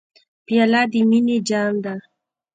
پیاله د مینې جام ده.